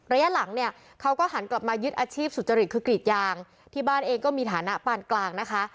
ระยะหลังเนี่ยเขาก็หันกลับมายึดอาชีพสุจริตคือกรีดยางที่บ้านเองก็มีฐานะปานกลางนะคะ